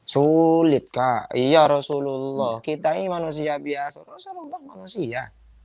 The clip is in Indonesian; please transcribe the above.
sulit kak iya rasulullah kita ini manusia biasa rasulullah manusia